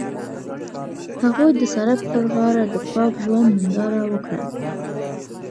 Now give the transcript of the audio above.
هغوی د سړک پر غاړه د پاک ژوند ننداره وکړه.